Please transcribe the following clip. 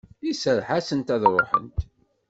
Iserreḥ-asent ad ruḥent.